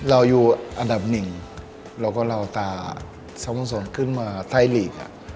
เอาตาสัมพุทธศาสตร์ขึ้นมาไทยฤทธิ์